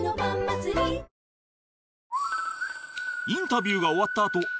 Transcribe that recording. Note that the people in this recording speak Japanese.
インタビューが終わったあと